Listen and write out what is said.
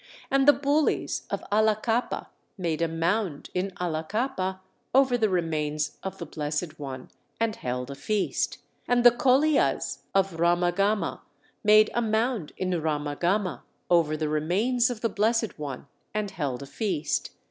And the Bulis of Allakappa made a mound in Allakappa over the remains of the Blessed One, and held a feast. And the Koliyas of Ramagama made a mound in Ramagama over the remains of the Blessed One, and held a feast.